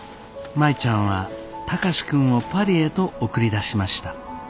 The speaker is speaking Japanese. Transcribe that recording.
舞ちゃんは貴司君をパリへと送り出しました。